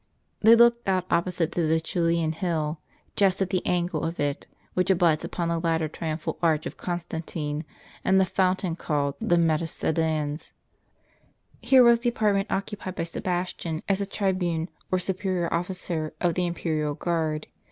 They looked out opposite to the Coelian hill, just at the angle of it, which abuts upon the later triumphal arch of Constantine, and the fountain called the Meta Sudans* Here was the apartment occupied by Sebastian as a tribune, or superior officer, of the imperial guard.